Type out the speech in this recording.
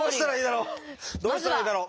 どうしたらいいだろう？